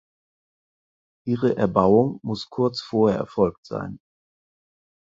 Ihre Erbauung muss kurz vorher erfolgt sein.